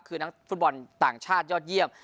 คือนักฟุตบอลต่างชาติยอดเยี่ยม